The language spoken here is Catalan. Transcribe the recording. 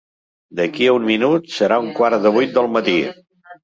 D'aquí a un minut serà un quart de vuit del matí.